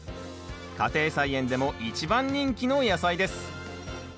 家庭菜園でも一番人気の野菜です。